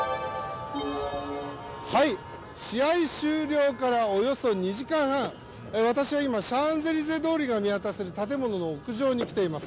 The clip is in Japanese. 試合終了からおよそ２時間半私は今、シャンゼリゼ通りが見渡せる建物の屋上に来ています。